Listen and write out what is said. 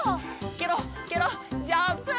ケロッケロッジャンプ！